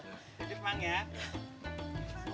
duduk bang ya